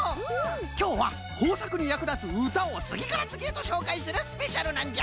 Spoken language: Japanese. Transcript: きょうはこうさくにやくだつうたをつぎからつぎへとしょうかいするスペシャルなんじゃ！